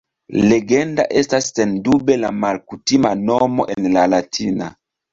Legenda estas sendube la malkutima nomo en la latina.